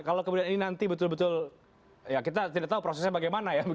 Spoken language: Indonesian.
kalau kemudian ini nanti betul betul ya kita tidak tahu prosesnya bagaimana ya